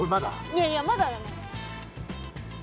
いやいやまだだね。